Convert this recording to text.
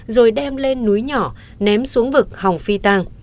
rồi đem lên núi nhỏ ném xuống vực hồng phi tàng